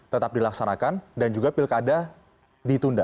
tetap dilaksanakan dan juga pilkada ditunda